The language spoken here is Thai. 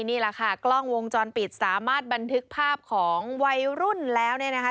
นี่แหละค่ะกล้องวงจรปิดสามารถบันทึกภาพของวัยรุ่นแล้วเนี่ยนะคะ